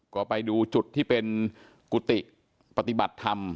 ก็ไปดูจุดที่เป็นกุฏิปฏิบัติธรรม